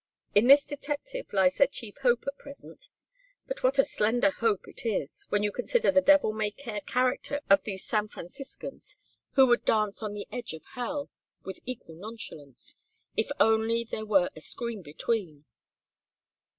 In this detective lies their chief hope at present; but what a slender hope it is, when you consider the devil may care character of these San Franciscans, who would dance on the edge of hell, with equal nonchalance, if only there were a screen between.